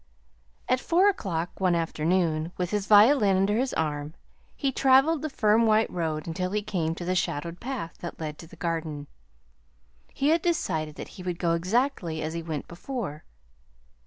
At four o'clock one afternoon, with his violin under his arm, he traveled the firm white road until he came to the shadowed path that led to the garden. He had decided that he would go exactly as he went before.